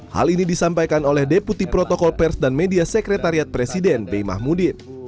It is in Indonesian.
hal ini disampaikan oleh deputi protokol pers dan media sekretariat presiden bey mahmudin